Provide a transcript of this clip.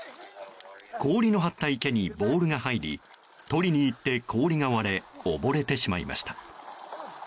氷の張った池にボールが入り取りに行って氷が割れ溺れてしまいました。